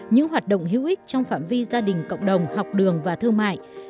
những hoạt động hữu ích trong phạm vi gia đình cộng đồng học đường và thương mại